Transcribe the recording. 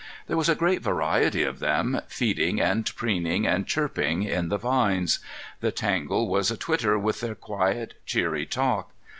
There was a great variety of them, feeding and preening and chirping in the vines. The tangle was a twitter with their quiet, cheery talk.